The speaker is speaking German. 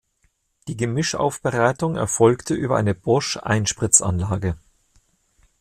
Die Gemischaufbereitung erfolgte über eine Bosch-Einspritzanlage.